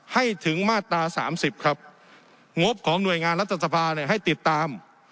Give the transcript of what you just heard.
ให้ถึงมาตราสามสิบครับงบของหน่วยงานรัฐสภาเนี่ยให้ติดตาม